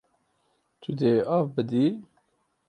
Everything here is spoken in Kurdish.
Tu dê av bidî.